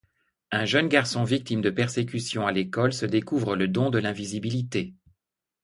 Un jeune garçon victime de persécutions à l'école se découvre le don de l'invisibilité.